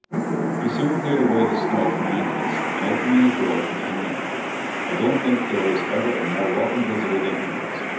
He soon cleared away the snow from the entrance, and opening the door he came in. I don't think there ever was a more welcome visitor than he was.